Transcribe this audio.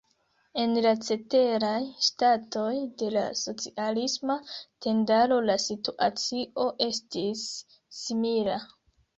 En la ceteraj ŝtatoj de la socialisma tendaro la situacio estis simila.